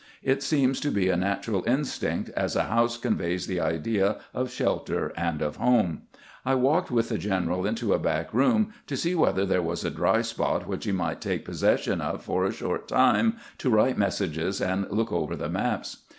It seems to be a natural instinct, as a house conveys the idea of shelter and of home. I walked witb tbe general into a back room to see whether tbere was a dry spot which he might take possession of for a short time, to write messages and look over tbe maps.